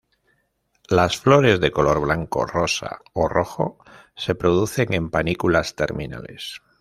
Las flores de color blanco, rosa o rojo se producen en panículas terminales.